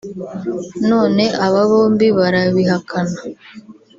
none aba bombi barabihakana